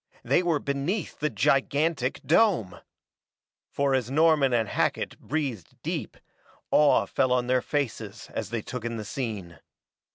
They were beneath the gigantic dome! For as Norman and Hackett breathed deep, awe fell on their faces as they took in the scene.